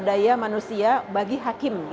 ada pinjaman yang dipanjang dengan bentuk r janjiman daya